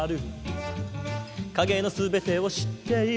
「影の全てを知っている」